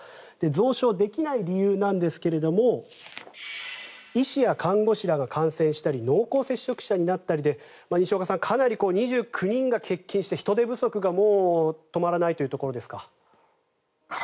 増床できない理由ですが医師や看護師らが感染したり濃厚接触者になったりで西岡さん、２９人が欠勤して人手不足が止まらないというところですか。